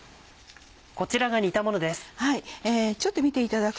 こちらが煮たものです。